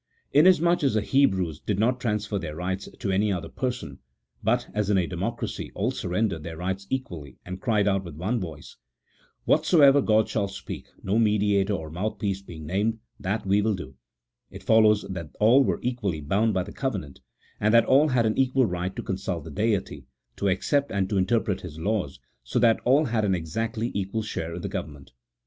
Inasmuch as the Hebrews did not transfer their rights to any other person but, as in a democracy, all surrendered their rights equally, and cried out with one voice, " What soever God shall speak (no mediator or mouthpiece being named) that will we do," it follows that all were equally bound by the covenant, and that all had an equal right to consult the Deity, to accept and to interpret His laws, so that all had an exactly equal share in the government.